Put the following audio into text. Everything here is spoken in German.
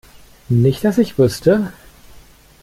Nicht dass ich wüsste.